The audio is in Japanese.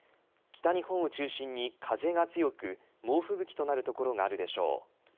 北日本を中心に風が強く猛吹雪となる所があるでしょう。